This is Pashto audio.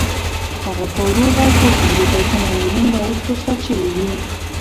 هغه په ورو غږ وبونګېده چې مامورین به اوس رخصت شوي وي.